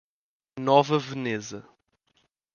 Nova Veneza